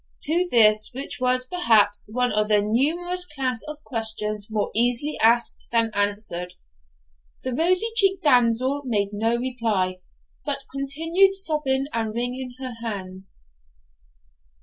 To this, which was, perhaps, one of the numerous class of questions more easily asked than answered, the rosy cheeked damsel made no reply, but continued sobbing and wringing her hands.